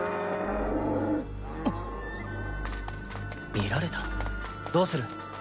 見られたどうする？